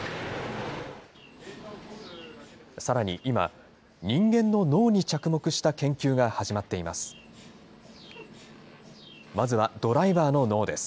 さらに今、人間の脳に着目した研究が始まっています。